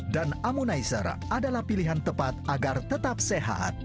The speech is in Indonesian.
dan ammonizer adalah pilihan tepat agar tetap sehat